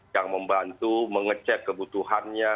yang membantu mengecek kebutuhannya